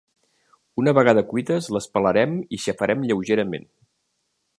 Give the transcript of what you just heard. Una vegada cuites les pelarem i xafarem lleugerament.